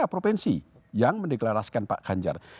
tiga provinsi yang mendeklarasikan pak ganjar